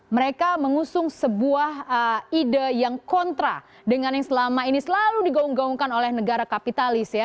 mereka mengusung sebuah ide yang kontra dengan yang selama ini selalu digaung gaungkan oleh negara kapitalis ya